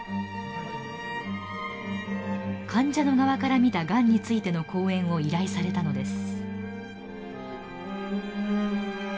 患者の側から見たがんについての講演を依頼されたのです。